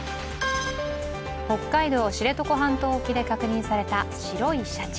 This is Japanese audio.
北海道・知床半島沖で確認された白いシャチ。